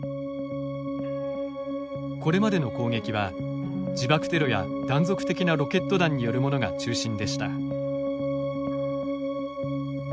これまでの攻撃は自爆テロや断続的なロケット弾によるものが中心でした。